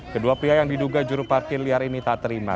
kedua pihak yang diduga juru parkir liar ini tak terima